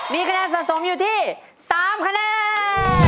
มีคะแนนสะสมอยู่ที่๓คะแนน